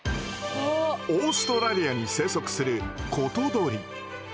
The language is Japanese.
オーストラリアに生息するコトドリ。